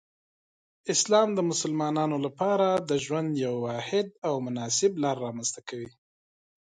اسلام د مسلمانانو لپاره د ژوند یو واحد او مناسب لار رامنځته کوي.